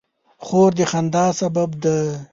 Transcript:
خور د خندا سبب ده.